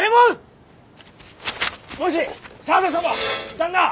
旦那！